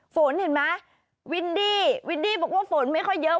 ฝนเห็นไหมวินดี้วินดี้บอกว่าฝนไม่ค่อยเยอะ